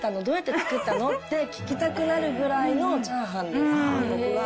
どうやって作ったの？って聞きたくなるぐらいのチャーハンです。